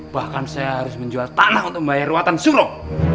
bahkan saya harus menjual tanah untuk membayar ruatan surop